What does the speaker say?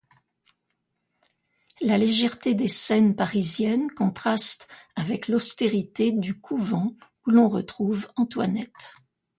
La légèreté des scènes parisiennes contraste avec l'austérité du couvent où l'on retrouve Antoinette.